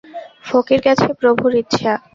ফকির গেছে, প্রভুর ইচ্ছা।